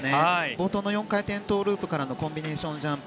冒頭の４回転トウループからのコンビネーションジャンプ。